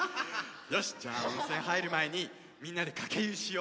よしじゃあ温泉はいるまえにみんなでかけゆしよ。